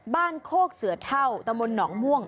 โคกเสือเท่าตะมนต์หนองม่วง